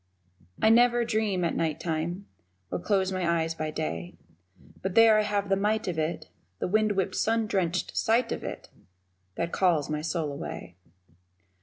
I never dream at night time Or close my eyes by day, But there I have the might of it, The wind whipped, sun drenched sight of it, That calls my soul away.